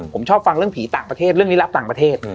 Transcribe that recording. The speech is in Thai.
ผมชอบฟังเรื่องผีต่างประเทศเรื่องนี้รับต่างประเทศ